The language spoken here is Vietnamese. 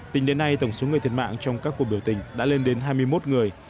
tính đến nay tổng số người thiệt mạng trong các cuộc biểu tình đã lên đến hai mươi một người